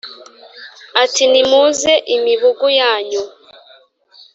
ati : nimutuze imibugu yanyu